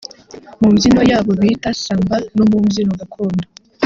mu mbyino yabo bita Samba no mu mbyino gakondo